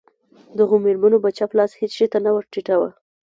دغو مېرمنو به چپ لاس هېڅ شي ته نه ور ټیټاوه.